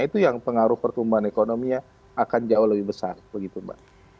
itu yang pengaruh pertumbuhan ekonominya akan jauh lebih besar begitu mbak